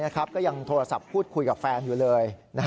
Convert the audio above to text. โทรศัพท์พูดคุยกับแฟนอยู่เลย